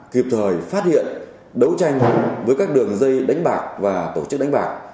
kịp thời phát hiện đấu tranh với các đường dây đánh bạc và tổ chức đánh bạc